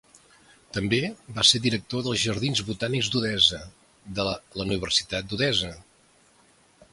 També va ser director dels Jardins Botànics d'Odessa, de la Universitat d'Odessa.